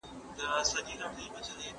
زۀ د مينې دوکاندار وومه او يم